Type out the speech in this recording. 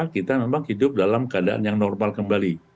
kita memang hidup dalam keadaan yang normal kembali